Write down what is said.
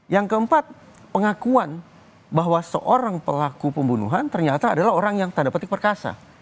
yang keempat pengakuan bahwa seorang pelaku pembunuhan ternyata adalah orang yang tanda petik perkasa